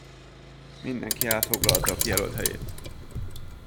Mindenki elfoglalta a kijelölt helyét.